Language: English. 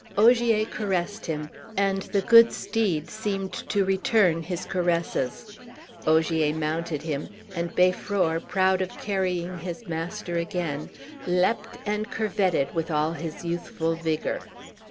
Ogier caressed him, and the good steed seemed to return his caresses; Ogier mounted him, and Beiffror, proud of carrying his master again, leapt and curvetted with all his youthful vigor.